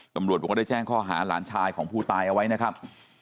ตำรวจบอกว่าได้แจ้งข้อหาหลานชายของผู้ตายเอาไว้นะครับ